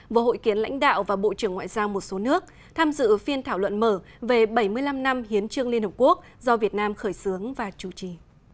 vừa hội kiến lãnh đạo và bộ trưởng ngoại giao một số nước tham dự phiên thảo luận mở về bảy mươi năm năm hiến trương liên hợp quốc do việt nam khởi xướng và chủ trì